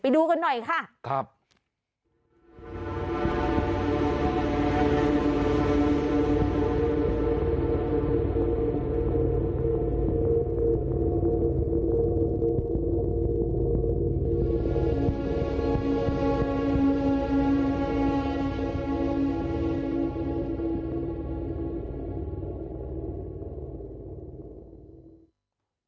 ไปดูกันหน่อยค่ะครับค่ะ